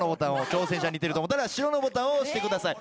挑戦者が似てると思ったら白のボタンを押してください。